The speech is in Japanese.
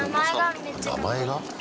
名前が？